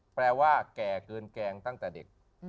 แปลว่าแก่เกินแกล้งตั้งแต่เด็ก